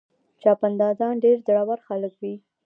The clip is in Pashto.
چاپندازان ډېر زړور خلک وي.